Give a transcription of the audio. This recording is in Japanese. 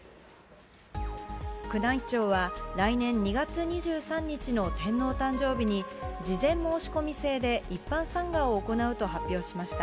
宮内庁は来年２月２３日の天皇誕生日に、事前申し込み制で一般参賀を行うと発表しました。